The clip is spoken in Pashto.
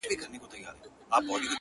ستا تر ځوانۍ بلا گردان سمه زه؛